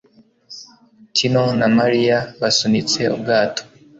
Tino na Mariya basunitse ubwato